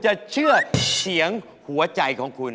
จะเชื่อเสียงหัวใจของคุณ